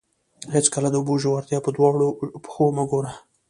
هېڅکله د اوبو ژورتیا په دواړو پښو مه ګوره.